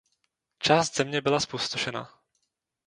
Část země byla zpustošena.